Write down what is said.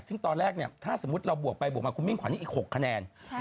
ซึ่งตอนแรกเนี่ยถ้าสมมุติเราบวกไปบวกมาคุณมิ่งขวัญอีก๖คะแนน